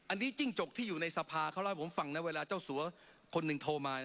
อันนี้จิ้งจกที่อยู่ในสภาเขาเล่าให้ผมฟังนะเวลาเจ้าสัวคนหนึ่งโทรมา